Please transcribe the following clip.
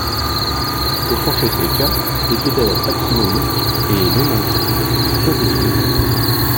Pour trancher ces cas, des critères taxinomiques et nomenclaturaux sont utilisés.